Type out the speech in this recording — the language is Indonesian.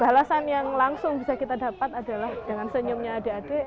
dan balasan yang langsung bisa kita dapat adalah dengan senyumnya adik adik